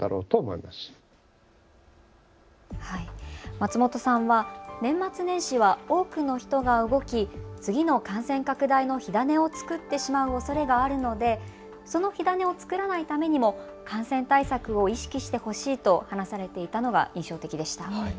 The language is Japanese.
松本さんは年末年始は多くの人が動き、次の感染拡大の火種を作ってしまうおそれがあるのでその火種を作らないためにも感染対策を意識してほしいと話されていたのが印象的でした。